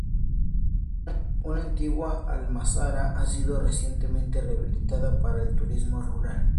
Una antigua almazara ha sido recientemente rehabilitada para el turismo rural.